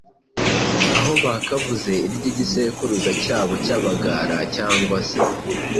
aho bakavuze iry’igisekuruza cyabo cy’Abagala cyangwa se